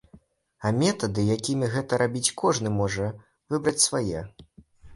А метады, якімі гэта рабіць, кожны можа выбраць свае.